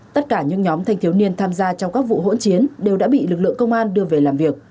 tất cả những nhóm thanh thiếu niên tham gia trong các vụ hỗn chiến đều đã bị lực lượng công an đưa về làm việc